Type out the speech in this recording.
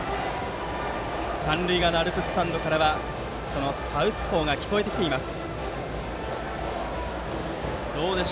三塁側のアルプススタンドからは「サウスポー」が聞こえてきています。